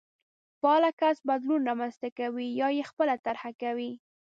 فعال کس بدلون رامنځته کوي يا يې خپله طرحه کوي.